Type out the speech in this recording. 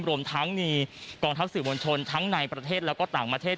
รวมทั้งมีกองทัพสื่อมวลชนทั้งในประเทศแล้วก็ต่างประเทศ